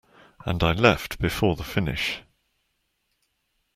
And I left before the finish.